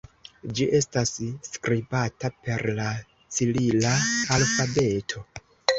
Ĝi estas skribata per la cirila alfabeto.